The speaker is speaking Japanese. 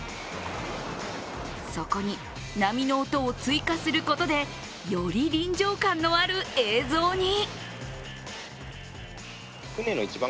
そこに波の音を追加することで、より臨場感のある映像に。